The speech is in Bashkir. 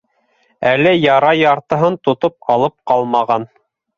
Әле ярай яртыһын тотоп алып ҡалмаған.